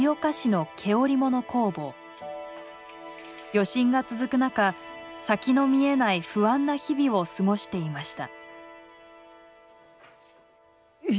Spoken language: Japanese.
余震が続く中先の見えない不安な日々を過ごしていました。